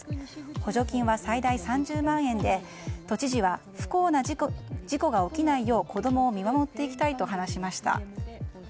補助金は最大３０万円で都知事は不幸な事故が起きないよう子供を見守っていきたいと話しました。